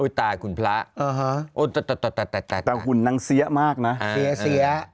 ตายคุณพระแต่หุ่นนางเสียมากนะเสีย